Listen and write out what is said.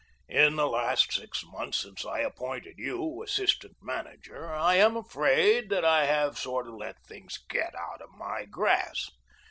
"In the last six months since I appointed you assistant manager I am afraid that I have sort of let things get out of my grasp.